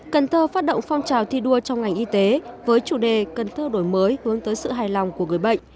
cần thơ phát động phong trào thi đua trong ngành y tế với chủ đề cần thơ đổi mới hướng tới sự hài lòng của người bệnh